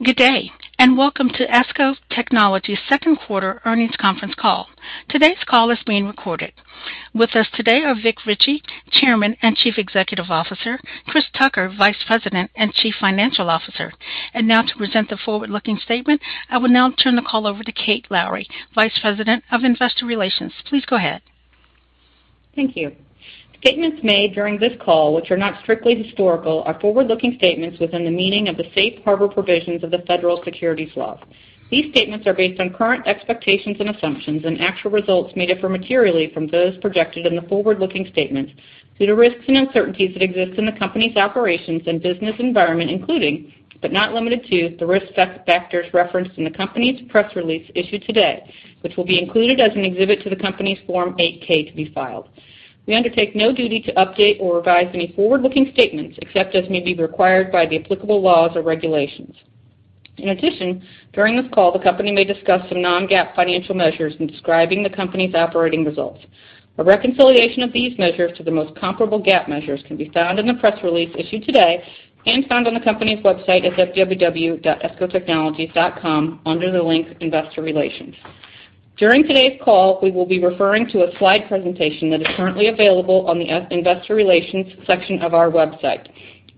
Good day, and welcome to ESCO Technologies second quarter earnings conference call. Today's call is being recorded. With us today are Vic Richey, Chairman and Chief Executive Officer, Chris Tucker, Vice President and Chief Financial Officer. Now to present the forward-looking statement, I will now turn the call over to Kate Lowrey, Vice President of Investor Relations. Please go ahead. Thank you. Statements made during this call, which are not strictly historical, are forward-looking statements within the meaning of the Safe Harbor provisions of the federal securities laws. These statements are based on current expectations and assumptions, and actual results may differ materially from those projected in the forward-looking statements due to risks and uncertainties that exist in the company's operations and business environment, including, but not limited to, the risk factors referenced in the company's press release issued today, which will be included as an exhibit to the company's Form 8-K to be filed. We undertake no duty to update or revise any forward-looking statements, except as may be required by the applicable laws or regulations. In addition, during this call, the company may discuss some non-GAAP financial measures in describing the company's operating results. A reconciliation of these measures to the most comparable GAAP measures can be found in the press release issued today and found on the company's website at www.escotechnologies.com under the link Investor Relations. During today's call, we will be referring to a slide presentation that is currently available on the investor relations section of our website.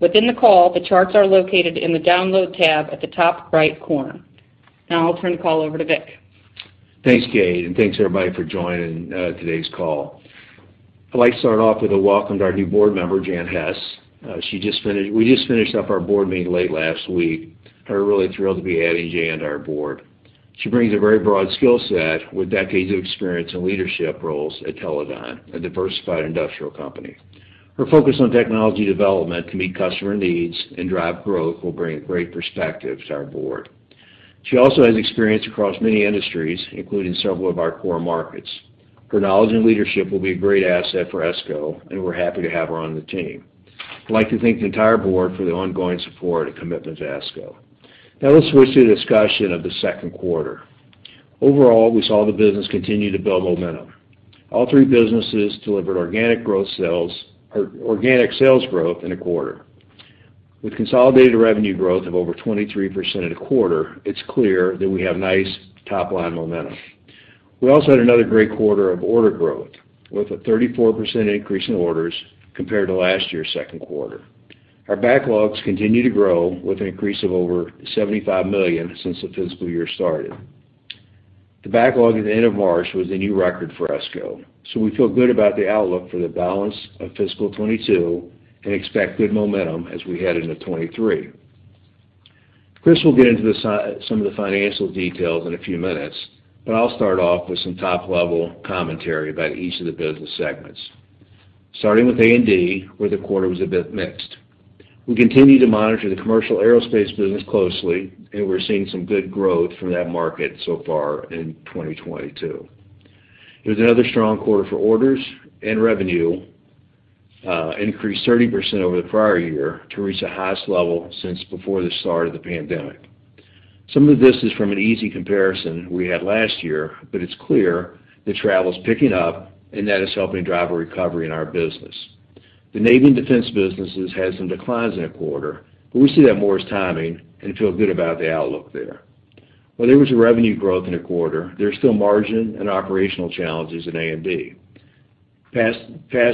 Within the call, the charts are located in the Download tab at the top right corner. Now I'll turn the call over to Vic. Thanks, Kate, and thanks everybody for joining today's call. I'd like to start off with a welcome to our new board member, Jan Hess. We just finished up our board meeting late last week. We're really thrilled to be adding Jan to our board. She brings a very broad skill set with decades of experience in leadership roles at Teledyne, a diversified industrial company. Her focus on technology development to meet customer needs and drive growth will bring great perspective to our board. She also has experience across many industries, including several of our core markets. Her knowledge and leadership will be a great asset for ESCO, and we're happy to have her on the team. I'd like to thank the entire board for the ongoing support and commitment to ESCO. Now let's switch to the discussion of the second quarter. Overall, we saw the business continue to build momentum. All three businesses delivered organic growth sales or organic sales growth in the quarter. With consolidated revenue growth of over 23% in the quarter, it's clear that we have nice top-line momentum. We also had another great quarter of order growth, with a 34% increase in orders compared to last year's second quarter. Our backlogs continue to grow with an increase of over $75 million since the fiscal year started. The backlog at the end of March was a new record for ESCO, so we feel good about the outlook for the balance of fiscal 2022 and expect good momentum as we head into 2023. Chris will get into some of the financial details in a few minutes, but I'll start off with some top-level commentary about each of the business segments. Starting with A&D, where the quarter was a bit mixed. We continue to monitor the commercial aerospace business closely, and we're seeing some good growth from that market so far in 2022. It was another strong quarter for orders and revenue, increased 30% over the prior year to reach the highest level since before the start of the pandemic. Some of this is from an easy comparison we had last year, but it's clear that travel is picking up and that is helping drive a recovery in our business. The Navy and Defense businesses had some declines in the quarter, but we see that more as timing and feel good about the outlook there. While there was a revenue growth in the quarter, there's still margin and operational challenges at A&D. Pass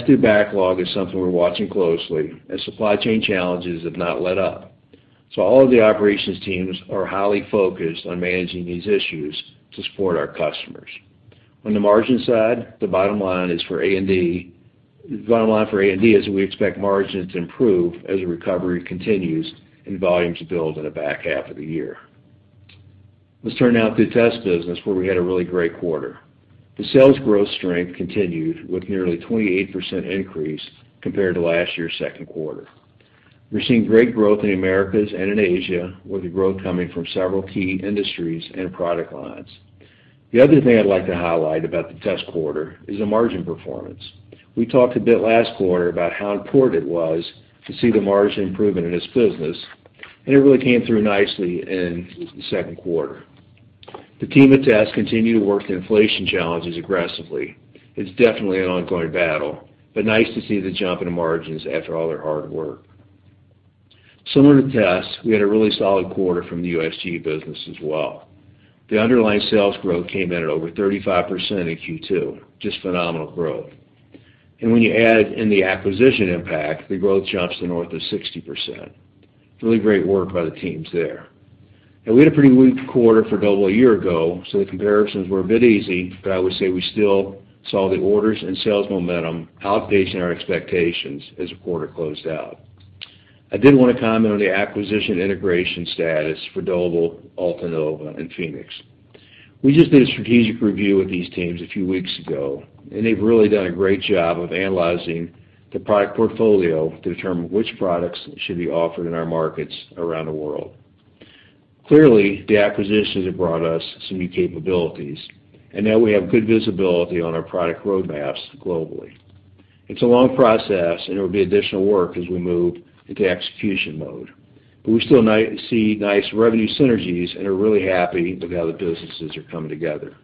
through backlog is something we're watching closely as supply chain challenges have not let up. All of the operations teams are highly focused on managing these issues to support our customers. On the margin side, the bottom line for A&D is we expect margins to improve as the recovery continues and volumes build in the back half of the year. Let's turn now to the test business, where we had a really great quarter. The sales growth strength continued with nearly 28% increase compared to last year's second quarter. We're seeing great growth in Americas and in Asia, with the growth coming from several key industries and product lines. The other thing I'd like to highlight about the test quarter is the margin performance. We talked a bit last quarter about how important it was to see the margin improvement in this business, and it really came through nicely in the second quarter. The team at Test continue to work the inflation challenges aggressively. It's definitely an ongoing battle, but nice to see the jump in the margins after all their hard work. Similar to Test, we had a really solid quarter from the USG business as well. The underlying sales growth came in at over 35% in Q2, just phenomenal growth. When you add in the acquisition impact, the growth jumps to north of 60%. Really great work by the teams there. We had a pretty weak quarter for Doble a year ago, so the comparisons were a bit easy, but I would say we still saw the orders and sales momentum outpacing our expectations as the quarter closed out. I did want to comment on the acquisition integration status for Doble, Altanova, and Phenix. We just did a strategic review with these teams a few weeks ago, and they've really done a great job of analyzing the product portfolio to determine which products should be offered in our markets around the world. Clearly, the acquisitions have brought us some new capabilities, and now we have good visibility on our product roadmaps globally. It's a long process, and it'll be additional work as we move into execution mode, but we still see nice revenue synergies and are really happy with how the businesses are coming together.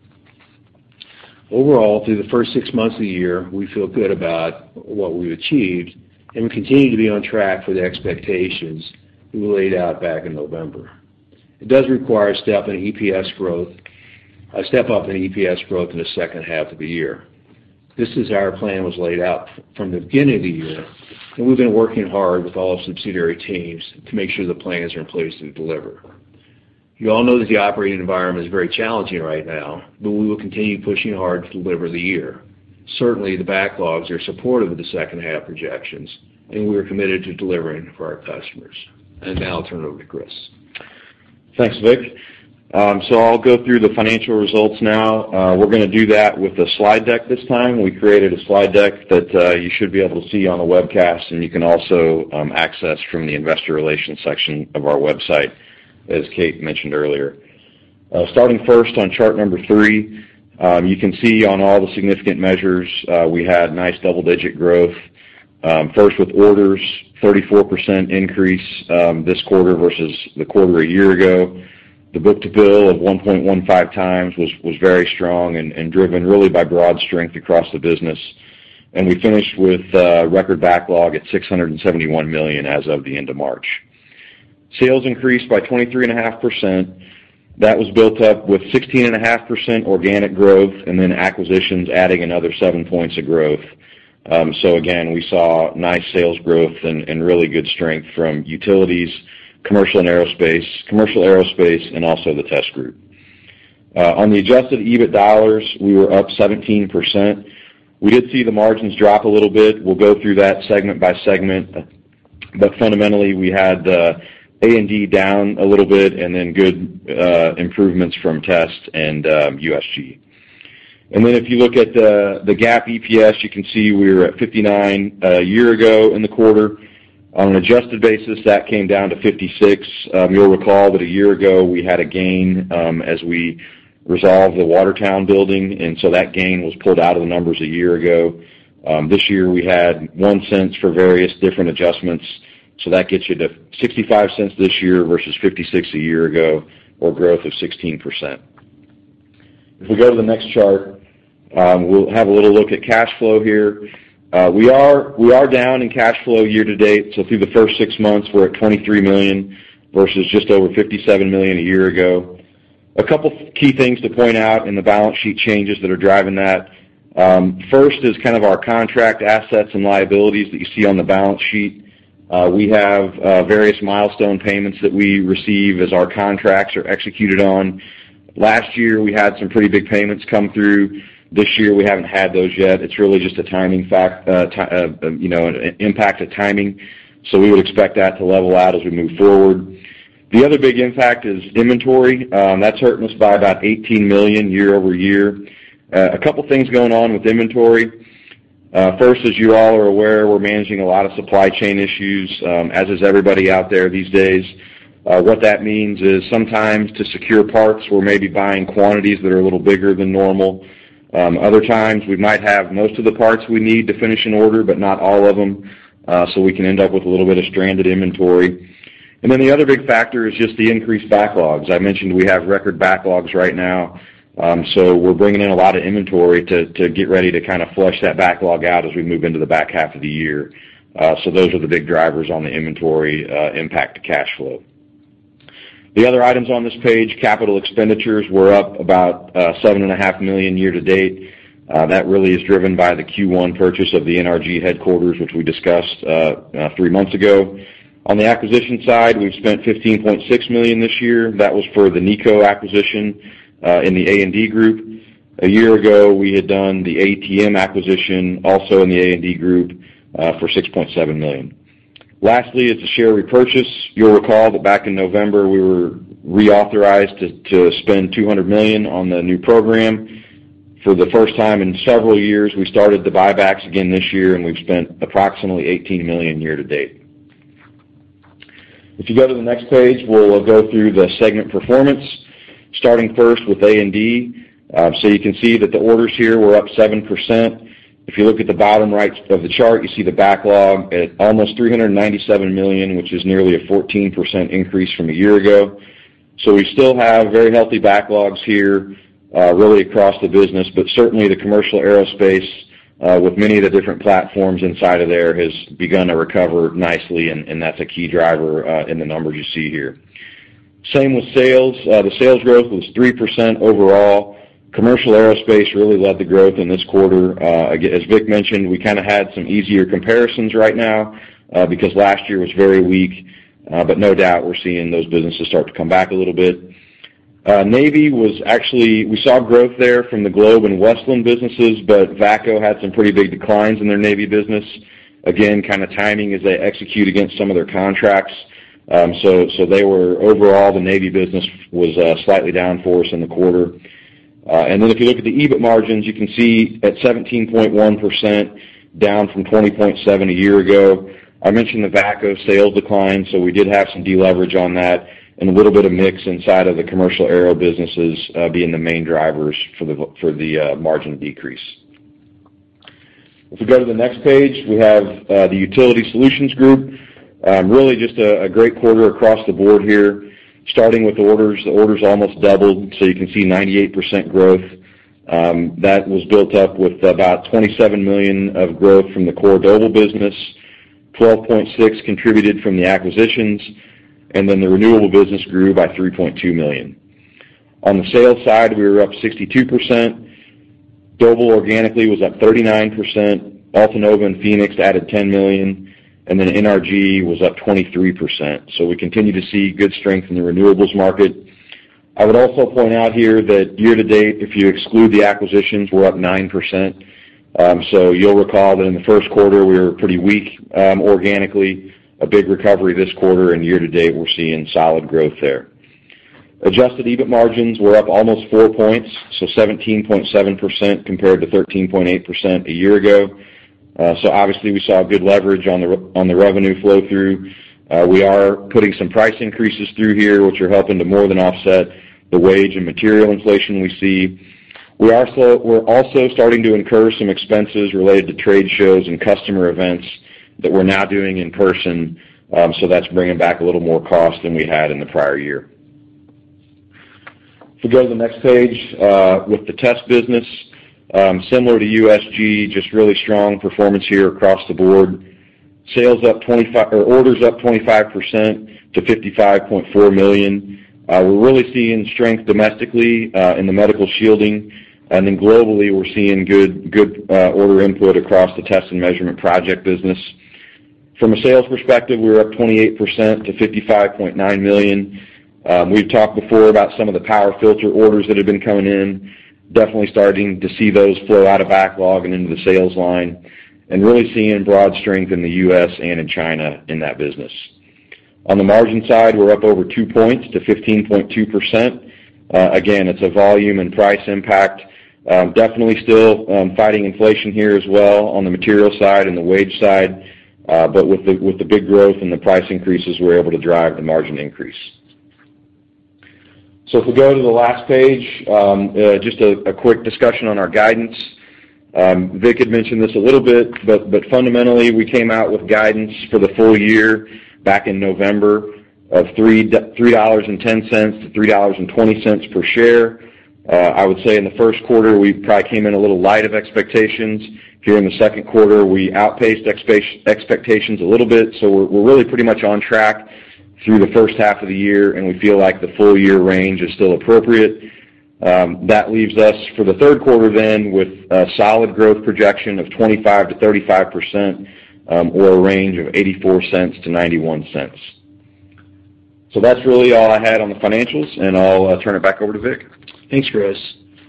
Overall, through the first six months of the year, we feel good about what we've achieved, and we continue to be on track for the expectations we laid out back in November. It does require a step up in EPS growth in the second half of the year. This is how our plan was laid out from the beginning of the year, and we've been working hard with all subsidiary teams to make sure the plans are in place to deliver. You all know that the operating environment is very challenging right now, but we will continue pushing hard to deliver the year. Certainly, the backlogs are supportive of the second half projections, and we are committed to delivering for our customers. Now I'll turn it over to Chris. Thanks, Vic. I'll go through the financial results now. We're gonna do that with the slide deck this time. We created a slide deck that you should be able to see on the webcast, and you can also access from the investor relations section of our website, as Kate mentioned earlier. Starting first on Chart number three, you can see on all the significant measures we had nice double-digit growth. First with orders, 34% increase this quarter versus the quarter a year ago. The book-to-bill of 1.15x was very strong and driven really by broad strength across the business. We finished with record backlog at $671 million as of the end of March. Sales increased by 23.5%. That was built up with 16.5% organic growth, and then acquisitions adding another 7 points of growth. Again, we saw nice sales growth and really good strength from utilities, commercial aerospace, and also the test group. On the adjusted EBIT dollars, we were up 17%. We did see the margins drop a little bit. We'll go through that segment by segment. Fundamentally, we had A&D down a little bit and then good improvements from test and USG. If you look at the GAAP EPS, you can see we were at $0.59 a year ago in the quarter. On an adjusted basis, that came down to $0.56. You'll recall that a year ago, we had a gain, as we resolved the Watertown building, and so that gain was pulled out of the numbers a year ago. This year, we had $0.01 for various different adjustments, so that gets you to $0.65 this year versus $0.56 a year ago or growth of 16%. If we go to the next chart, we'll have a little look at cash flow here. We are down in cash flow year to date, so through the first six months, we're at $23 million versus just over $57 million a year ago. A couple key things to point out in the balance sheet changes that are driving that. First is kind of our contract assets and liabilities that you see on the balance sheet. We have various milestone payments that we receive as our contracts are executed on. Last year, we had some pretty big payments come through. This year, we haven't had those yet. It's really just a timing, you know, impact of timing. We would expect that to level out as we move forward. The other big impact is inventory. That's hurting us by about $18 million year-over-year. A couple things going on with inventory. First, as you all are aware, we're managing a lot of supply chain issues, as is everybody out there these days. What that means is sometimes to secure parts, we're maybe buying quantities that are a little bigger than normal. Other times, we might have most of the parts we need to finish an order, but not all of them, so we can end up with a little bit of stranded inventory. The other big factor is just the increased backlogs. I mentioned we have record backlogs right now, so we're bringing in a lot of inventory to get ready to kind of flush that backlog out as we move into the back half of the year. Those are the big drivers on the inventory impact to cash flow. The other items on this page, capital expenditures were up about $7.5 million year to date. That really is driven by the Q1 purchase of the NRG headquarters, which we discussed three months ago. On the acquisition side, we've spent $15.6 million this year. That was for the NEco acquisition in the A&D group. A year ago, we had done the ATM acquisition, also in the A&D group, for $6.7 million. Lastly is the share repurchase. You'll recall that back in November, we were reauthorized to spend $200 million on the new program. For the first time in several years, we started the buybacks again this year, and we've spent approximately $18 million year to date. If you go to the next page, we'll go through the segment performance, starting first with A&D. So you can see that the orders here were up 7%. If you look at the bottom right of the chart, you see the backlog at almost $397 million, which is nearly a 14% increase from a year ago. We still have very healthy backlogs here, really across the business. Certainly, the commercial aerospace, with many of the different platforms inside of there, has begun to recover nicely, and that's a key driver in the numbers you see here. Same with sales. The sales growth was 3% overall. Commercial aerospace really led the growth in this quarter. As Vic mentioned, we kinda had some easier comparisons right now, because last year was very weak. No doubt, we're seeing those businesses start to come back a little bit. Navy was actually, we saw growth there from the Globe and Westland businesses, but VACCO had some pretty big declines in their Navy business. Again, kinda timing as they execute against some of their contracts. They were, overall, the Navy business was slightly down for us in the quarter. If you look at the EBIT margins, you can see at 17.1%, down from 20.7% a year ago. I mentioned the VACCO sales decline, so we did have some deleverage on that, and a little bit of mix inside of the commercial aero businesses being the main drivers for the margin decrease. If we go to the next page, we have the Utility Solutions Group. Really just a great quarter across the board here, starting with orders. The orders almost doubled, so you can see 98% growth. That was built up with about $27 million of growth from the core global business. $12.6 million contributed from the acquisitions, and then the renewable business grew by $3.2 million. On the sales side, we were up 62%. Global organically was up 39%. Altanova and Phenix added $10 million, and then NRG was up 23%. We continue to see good strength in the renewables market. I would also point out here that year-to-date, if you exclude the acquisitions, we're up 9%. You'll recall that in the first quarter, we were pretty weak organically. A big recovery this quarter, and year-to-date, we're seeing solid growth there. Adjusted EBIT margins were up almost 4 points, 17.7% compared to 13.8% a year ago. Obviously we saw a good leverage on the revenue flow through. We are putting some price increases through here, which are helping to more than offset the wage and material inflation we see. We're also starting to incur some expenses related to trade shows and customer events that we're now doing in person, that's bringing back a little more cost than we had in the prior year. If we go to the next page, with the test business, similar to USG, just really strong performance here across the board. Orders up 25% to $55.4 million. We're really seeing strength domestically in the medical shielding, and then globally, we're seeing good order input across the test and measurement project business. From a sales perspective, we were up 28% to $55.9 million. We've talked before about some of the power filter orders that have been coming in, definitely starting to see those flow out of backlog and into the sales line and really seeing broad strength in the U.S. and in China in that business. On the margin side, we're up over 2 points to 15.2%. Again, it's a volume and price impact. Definitely still fighting inflation here as well on the material side and the wage side, but with the big growth and the price increases, we're able to drive the margin increase. If we go to the last page, just a quick discussion on our guidance. Vic had mentioned this a little bit, but fundamentally, we came out with guidance for the full year back in November of $3.10-$3.20 per share. I would say in the first quarter, we probably came in a little light of expectations. Here in the second quarter, we outpaced expectations a little bit, so we're really pretty much on track through the first half of the year, and we feel like the full-year range is still appropriate. That leaves us for the third quarter with a solid growth projection of 25%-35%, or a range of $0.84-$0.91. That's really all I had on the financials, and I'll turn it back over to Vic. Thanks, Chris.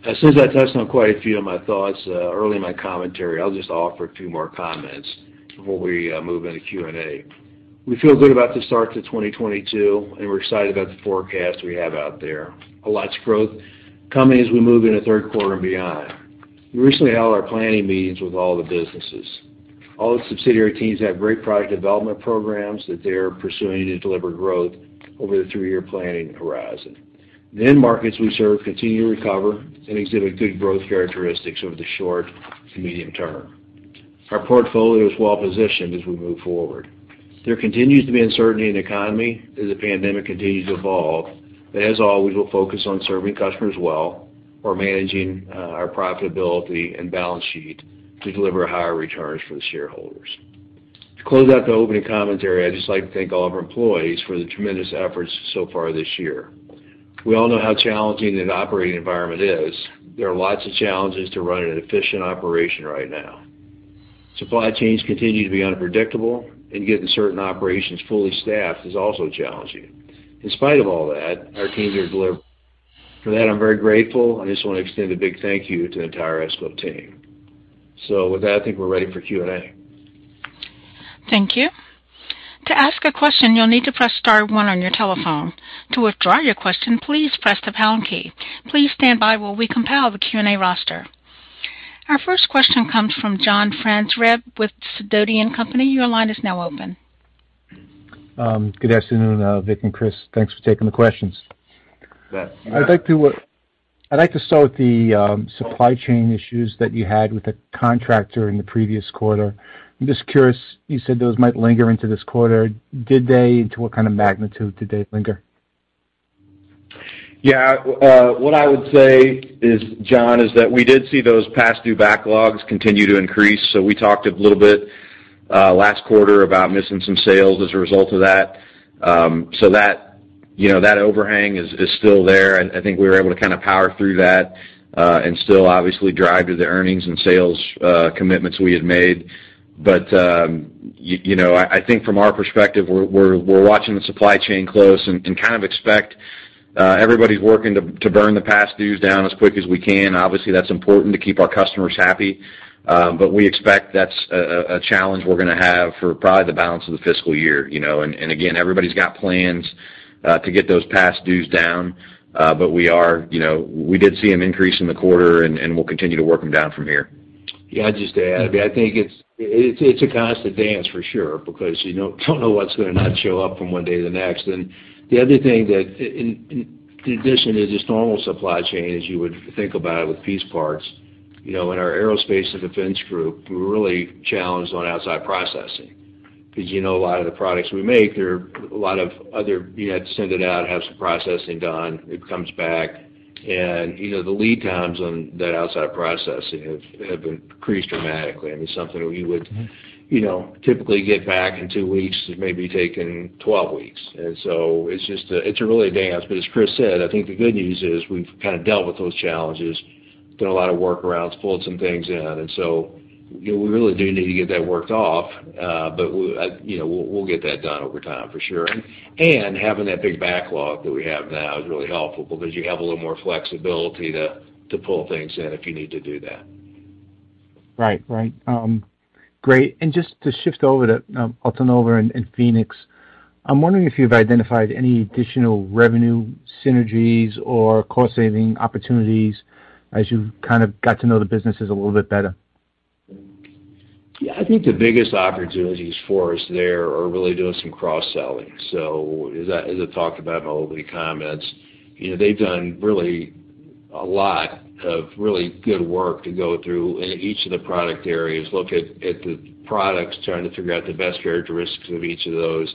As soon as I touched on quite a few of my thoughts early in my commentary, I'll just offer a few more comments before we move into Q&A. We feel good about the start to 2022, and we're excited about the forecast we have out there. Lots of growth coming as we move into third quarter and beyond. We recently held our planning meetings with all the businesses. All the subsidiary teams have great product development programs that they're pursuing to deliver growth over the three-year planning horizon. The end markets we serve continue to recover and exhibit good growth characteristics over the short to medium term. Our portfolio is well positioned as we move forward. There continues to be uncertainty in the economy as the pandemic continues to evolve, but as always, we'll focus on serving customers well or managing our profitability and balance sheet to deliver higher returns for the shareholders. To close out the opening commentary, I'd just like to thank all of our employees for the tremendous efforts so far this year. We all know how challenging an operating environment is. There are lots of challenges to running an efficient operation right now. Supply chains continue to be unpredictable, and getting certain operations fully staffed is also challenging. In spite of all that, our teams are delivering. For that, I'm very grateful. I just want to extend a big thank you to the entire ESCO team. With that, I think we're ready for Q&A. Thank you. To ask a question, you'll need to press star one on your telephone. To withdraw your question, please press the pound key. Please stand by while we compile the Q&A roster. Our first question comes from John Franzreb with Sidoti & Company. Your line is now open. Good afternoon, Vic and Chris. Thanks for taking the questions. Yes. Yeah. I'd like to start with the supply chain issues that you had with the contractor in the previous quarter. I'm just curious, you said those might linger into this quarter. Did they? To what kind of magnitude did they linger? Yeah. What I would say is, John, that we did see those past due backlogs continue to increase, so we talked a little bit last quarter about missing some sales as a result of that. That, you know, overhang is still there, and I think we were able to kind of power through that and still obviously drive to the earnings and sales commitments we had made. You know, I think from our perspective, we're watching the supply chain close and kind of expect everybody's working to burn the past dues down as quick as we can. Obviously, that's important to keep our customers happy. We expect that's a challenge we're gonna have for probably the balance of the fiscal year, you know. Again, everybody's got plans to get those past dues down, but we are, you know, we did see an increase in the quarter, and we'll continue to work them down from here. Yeah, just to add, I think it's a constant dance for sure because you know, don't know what's gonna not show up from one day to the next. The other thing that in addition to just normal supply chain, as you would think about it with piece parts, you know, in our aerospace and defense group, we're really challenged on outside processing. 'Cause you know, a lot of the products we make. You had to send it out, have some processing done, it comes back. You know, the lead times on that outside processing have been increased dramatically. I mean, something we would, you know, typically get back in two weeks, it may be taking 12 weeks. It's just, it's really a dance. As Chris said, I think the good news is we've kinda dealt with those challenges, done a lot of workarounds, pulled some things in, and so we really do need to get that worked off, but we, you know, we'll get that done over time for sure. Having that big backlog that we have now is really helpful because you have a little more flexibility to pull things in if you need to do that. Right. Great. Just to shift over to Altanova and Phenix, I'm wondering if you've identified any additional revenue synergies or cost saving opportunities as you've kind of got to know the businesses a little bit better. Yeah. I think the biggest opportunities for us there are really doing some cross-selling. As I talked about in my opening comments, you know, they've done really a lot of really good work to go through in each of the product areas, look at the products, trying to figure out the best characteristics of each of those,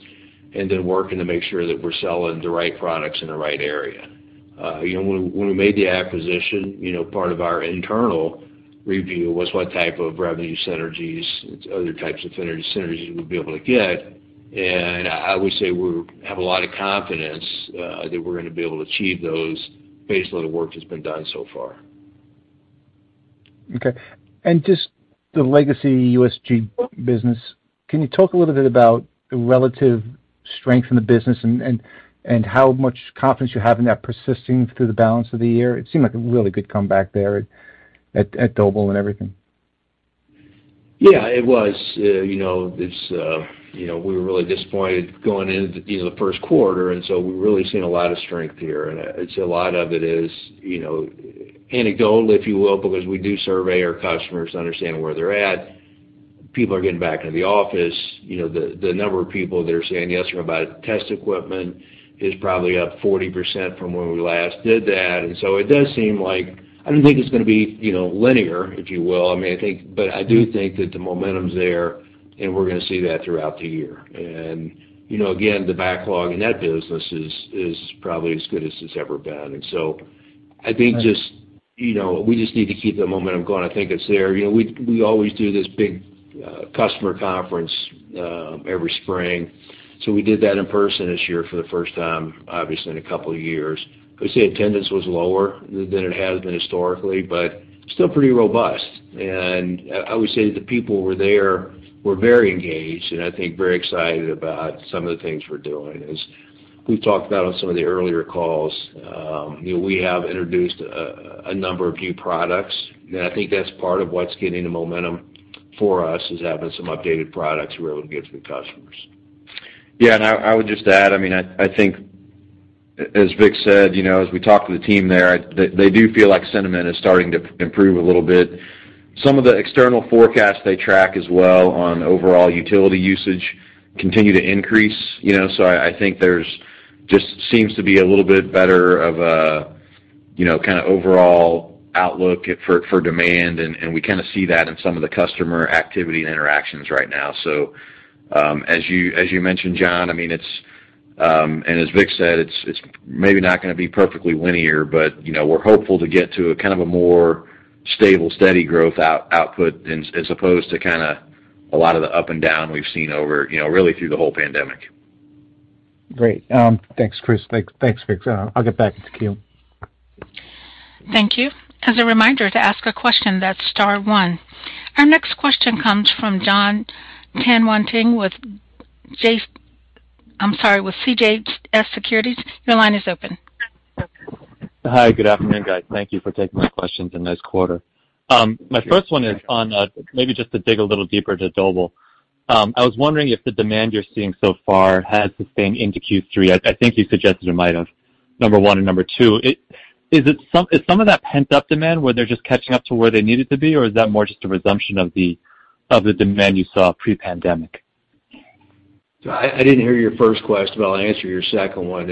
and then working to make sure that we're selling the right products in the right area. You know, when we made the acquisition, you know, part of our internal review was what type of revenue synergies, other types of synergies we'd be able to get. I would say we have a lot of confidence that we're gonna be able to achieve those based on the work that's been done so far. Okay. Just the legacy USG business, can you talk a little bit about the relative strength in the business and how much confidence you have in that persisting through the balance of the year? It seemed like a really good comeback there at Doble and everything. Yeah, it was. You know, it's you know, we were really disappointed going into the first quarter, so we're really seeing a lot of strength here. A lot of it is you know, anecdotal, if you will, because we do survey our customers to understand where they're at. People are getting back into the office. You know, the number of people that are saying yes to about test equipment is probably up 40% from when we last did that. It does seem like I don't think it's gonna be you know, linear, if you will. I mean, I think, but I do think that the momentum's there, and we're gonna see that throughout the year. You know, again, the backlog in that business is probably as good as it's ever been. I think just, you know, we just need to keep the momentum going. I think it's there. You know, we always do this big customer conference every spring. We did that in person this year for the first time, obviously, in a couple of years. I would say attendance was lower than it has been historically, but still pretty robust. I would say the people who were there were very engaged and I think very excited about some of the things we're doing. As we've talked about on some of the earlier calls, you know, we have introduced a number of new products, and I think that's part of what's getting the momentum for us, is having some updated products we're able to get to the customers. Yeah. I would just add, I mean, I think as Vic said, you know, as we talk to the team there, they do feel like sentiment is starting to improve a little bit. Some of the external forecasts they track as well on overall utility usage continue to increase, you know. I think there's just seems to be a little bit better of a, you know, kinda overall outlook for demand, and we kinda see that in some of the customer activity and interactions right now. As you mentioned, John, I mean, and as Vic said, it's maybe not gonna be perfectly linear, but, you know, we're hopeful to get to a kind of a more stable, steady growth output as opposed to kinda a lot of the up and down we've seen over, you know, really through the whole pandemic. Great. Thanks, Chris. Thanks, Vic. I'll get back to you. Thank you. As a reminder, to ask a question, that's star one. Our next question comes from Jon Tanwanteng with CJS Securities. Your line is open. Hi. Good afternoon, guys. Thank you for taking my questions. A nice quarter. My first one is on, maybe just to dig a little deeper to Doble. I was wondering if the demand you're seeing so far has sustained into Q3. I think you suggested it might have, number one. Number two, is it some of that pent-up demand where they're just catching up to where they needed to be, or is that more just a resumption of the demand you saw pre-pandemic? I didn't hear your first question, but I'll answer your second one.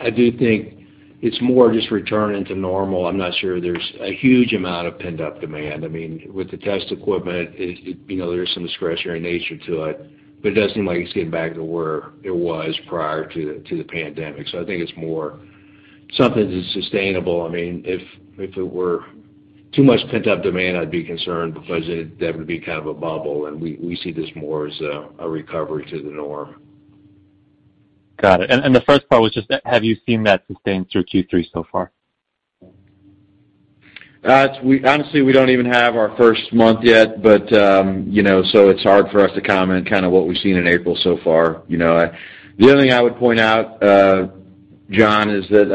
I do think it's more just returning to normal. I'm not sure there's a huge amount of pent-up demand. I mean, with the test equipment, it, you know, there's some discretionary nature to it, but it does seem like it's getting back to where it was prior to the pandemic. I think it's more something that's sustainable. I mean, if it were too much pent-up demand, I'd be concerned because it, that would be kind of a bubble, and we see this more as a recovery to the norm. Got it. The first part was just have you seen that sustain through Q3 so far? Honestly, we don't even have our first month yet, but you know, so it's hard for us to comment kinda what we've seen in April so far, you know. The only thing I would point out, Jon, is that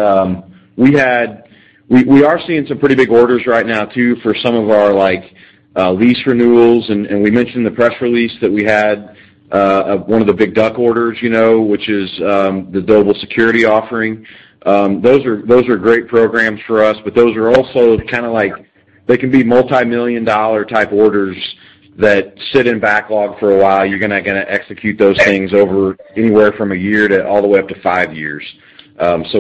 we are seeing some pretty big orders right now too for some of our, like, lease renewals. We mentioned the press release that we had of one of the big DUC orders, you know, which is the Doble cybersecurity offering. Those are great programs for us, but those are also kinda like they can be multi-million-dollar type orders that sit in backlog for a while. You're gonna execute those things over anywhere from one year to all the way up to five years.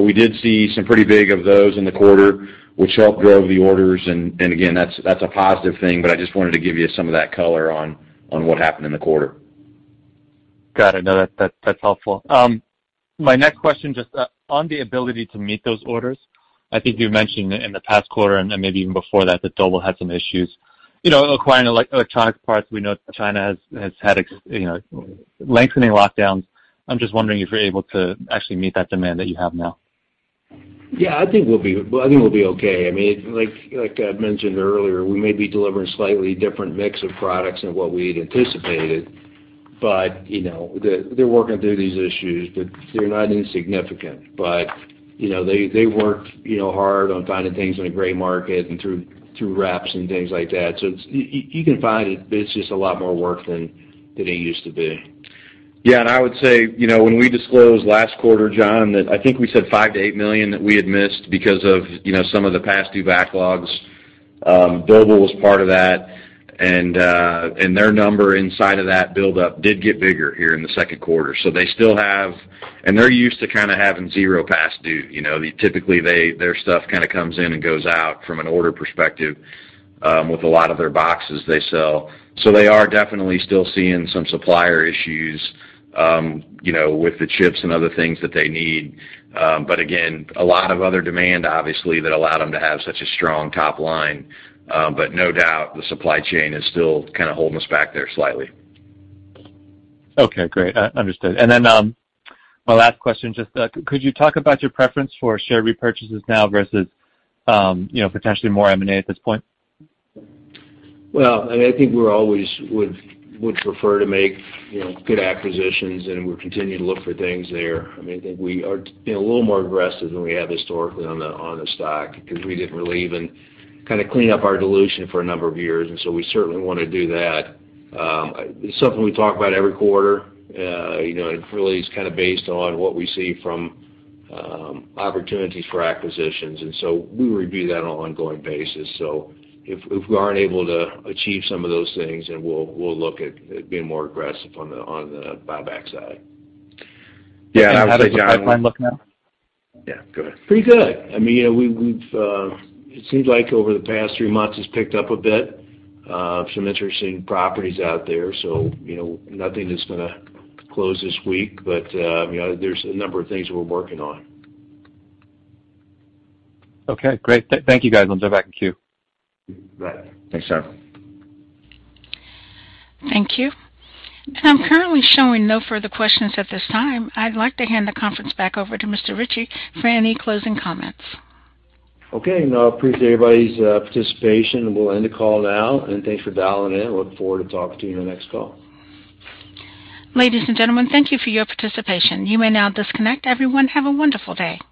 We did see some pretty big ones of those in the quarter, which helped drove the orders. Again, that's a positive thing. I just wanted to give you some of that color on what happened in the quarter. Got it. No, that's helpful. My next question, just, on the ability to meet those orders. I think you mentioned in the past quarter and then maybe even before that Doble had some issues, you know, acquiring electronic parts. We know China has had, you know, lengthening lockdowns. I'm just wondering if you're able to actually meet that demand that you have now. Well, I think we'll be okay. I mean, like I mentioned earlier, we may be delivering slightly different mix of products than what we'd anticipated. But you know, they're working through these issues, but they're not insignificant. You know, they work, you know, hard on finding things in a gray market and through reps and things like that. You can find it, but it's just a lot more work than it used to be. Yeah. I would say, you know, when we disclosed last quarter, Jon, that I think we said $5 million-$8 million that we had missed because of, you know, some of the past due backlogs. Doble was part of that. Their number inside of that buildup did get bigger here in the second quarter. They still have. They're used to kinda having zero past due. You know, they typically their stuff kinda comes in and goes out from an order perspective, with a lot of their boxes they sell. They are definitely still seeing some supplier issues, you know, with the chips and other things that they need. Again, a lot of other demand, obviously, that allowed them to have such a strong top line. No doubt, the supply chain is still kinda holding us back there slightly. Okay, great. Understood. My last question, just, could you talk about your preference for share repurchases now versus, you know, potentially more M&A at this point? Well, I think we would always prefer to make, you know, good acquisitions, and we'll continue to look for things there. I mean, I think we are being a little more aggressive than we have historically on the stock because we didn't really even kinda clean up our dilution for a number of years. We certainly wanna do that. Something we talk about every quarter, you know, and really is kinda based on what we see from opportunities for acquisitions. We review that on an ongoing basis. If we aren't able to achieve some of those things, then we'll look at being more aggressive on the buyback side. Yeah, I would say. How does the pipeline look now? Yeah, go ahead. Pretty good. I mean, you know. It seems like over the past three months, it's picked up a bit, some interesting properties out there. You know, nothing is gonna close this week. You know, there's a number of things we're working on. Okay, great. Thank you, guys. I'll jump back in queue. You bet. Thanks, Jon. Thank you. I'm currently showing no further questions at this time. I'd like to hand the conference back over to Mr. Richey for any closing comments. Okay. No, I appreciate everybody's participation, and we'll end the call now. Thanks for dialing in. Look forward to talking to you in the next call. Ladies and gentlemen, thank you for your participation. You may now disconnect. Everyone, have a wonderful day.